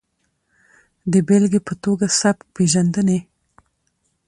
د بېلګې په ټوګه سبک پېژندنې